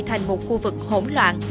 thành một khu vực hỗn loạn